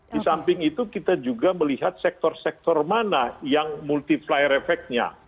di samping itu kita juga melihat sektor sektor mana yang multiplier efeknya